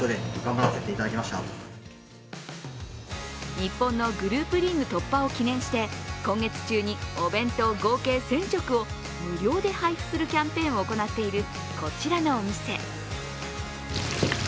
日本のグループリーグ突破を記念して今月中にお弁当合計１０００食を無料で配布するキャンペーンを行っているこちらのお店。